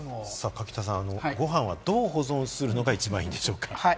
垣田さん、ご飯をどう保存するのが一番いいんでしょうか？